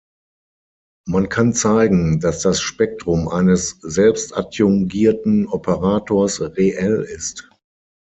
Man kann zeigen, dass das Spektrum eines selbstadjungierten Operators reell ist.